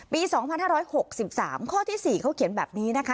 ปี๒๕๖๓ข้อที่๔เขาเขียนแบบนี้นะคะ